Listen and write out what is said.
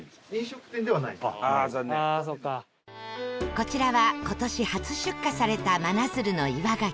こちらは今年初出荷された真鶴の岩牡蠣